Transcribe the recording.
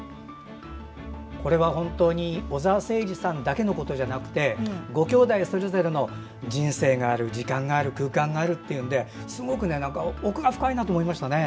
これは本当に小澤征爾さんだけのことじゃなくてご兄弟それぞれの人生がある時間がある空間があるというのですごく奥が深いなと思いました。